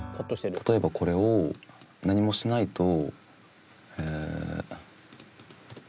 例えばこれを何もしないと。